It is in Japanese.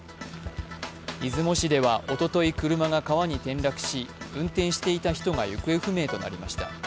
出雲市ではおととい車が川に転落し運転していた人が行方不明となりました。